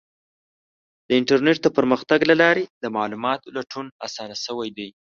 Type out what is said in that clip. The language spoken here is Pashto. د انټرنیټ د پرمختګ له لارې د معلوماتو لټون اسانه شوی دی.